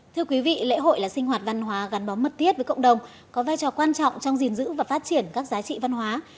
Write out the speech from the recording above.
thưa quý vị lễ hội là sinh hoạt văn hóa gắn bó mật thiết với cộng đồng có vai trò quan trọng trong gìn giữ và phát triển các giá trị văn hóa